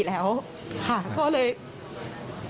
และก็มีการกินยาละลายริ่มเลือดแล้วก็ยาละลายขายมันมาเลยตลอดครับ